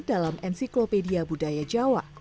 dalam ensiklopedia budaya jawa